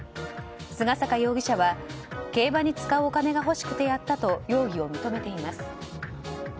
菅坂容疑者は競馬に使うお金が欲しくてやったと容疑を認めています。